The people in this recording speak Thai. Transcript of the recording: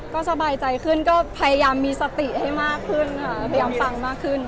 ก็สบายใจขึ้นก็พยายามมีสติให้มากขึ้นค่ะพยายามฟังมากขึ้น